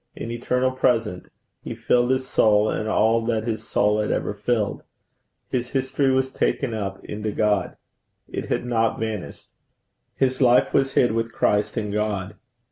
An eternal present, He filled his soul and all that his soul had ever filled. His history was taken up into God: it had not vanished: his life was hid with Christ in God.